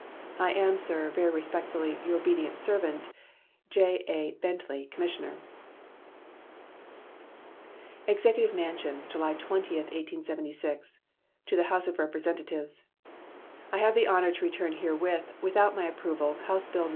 I am, sir, very respectfully, your obedient servant, J.A. BENTLEY, Commissioner. EXECUTIVE MANSION, July 20, 1876. To the House of Representatives: I have the honor to return herewith without my approval House bill No.